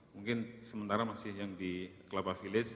mungkin sementara masih yang di kelapa village